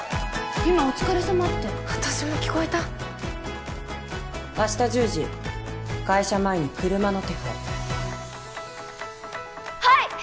今「お疲れさま」って私も聞こえた明日１０時会社前に車の手配はい！